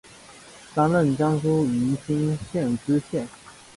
担任江苏宜兴县知县。